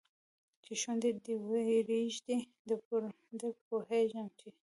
چې شونډي دې ورېږدي در پوهېږم چې